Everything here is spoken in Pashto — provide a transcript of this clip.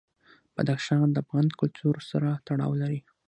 بدخشان د افغان کلتور سره تړاو لري.